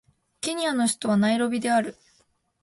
ケニアの首都はナイロビである